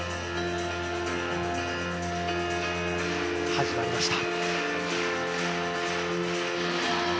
始まりました。